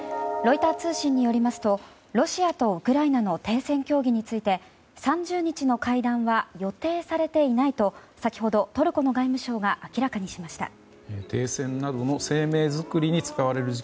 ロイター通信によりますとロシアとウクライナの停戦協議について３０日の会談は予定されていないと先ほど、トルコの外務相が明らかにしました。